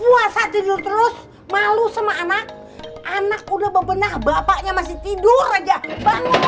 puasa tidur terus malu sama anak anak udah bebenah bapaknya masih tidur aja